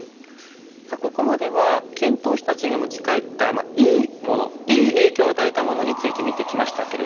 さあここまでは遣唐使たちが持ち帰ったいいものいい影響を与えたものについて見てきましたけれども。